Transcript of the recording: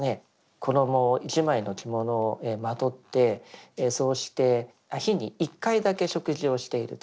衣一枚の着物をまとってそうして日に１回だけ食事をしていると。